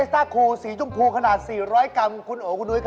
ถูกสุด